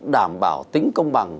đảm bảo tính công bằng